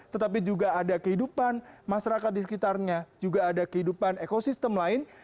tetapi juga ada kehidupan masyarakat di sekitarnya juga ada kehidupan ekosistem lain